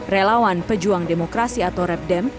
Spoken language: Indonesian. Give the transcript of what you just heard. relawan pejuang demokrasi atau repdem